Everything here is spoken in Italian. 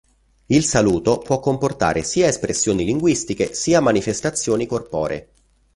Il saluto può comportare sia espressioni linguistiche sia manifestazioni corporee.